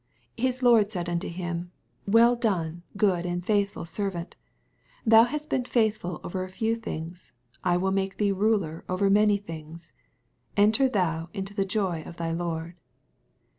^8 His lord said unto him. Well done, good and faithful servant ; thou hast been faithful over a few things, I will make thee ruler over many things : enter thou into the joy of thy Lord.